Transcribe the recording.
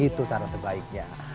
itu cara terbaiknya